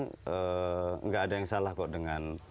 tidak ada yang salah kok dengan